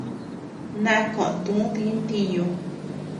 Na koʼö tu di ntiñu.